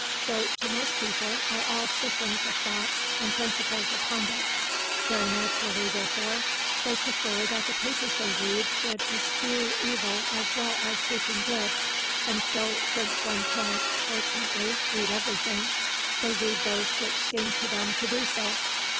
So, to most people, are all systems of thought and principles of conduct. Very naturally, therefore, they prefer that the papers they read should eschew evil as well as seeking good. And so, since one can't (fortunately) read everything, they read those which seem to them to do so.